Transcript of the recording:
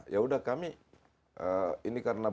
yaudah kami ini karena